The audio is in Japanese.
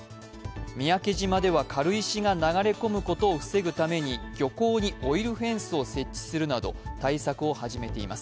三宅島では軽石が流れ込むことを防ぐために漁港にオイルフェンスを設置するなど対策を始めています。